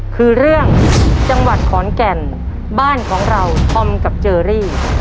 คือเรื่องจังหวัดขอนแก่นบ้านของเราธอมกับเจอรี่